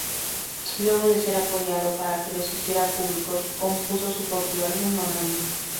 Luego de ser apoyado para que los hiciera públicos, compuso su propio álbum homónimo.